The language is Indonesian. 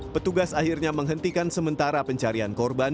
petugas akhirnya menghentikan sementara pencarian korban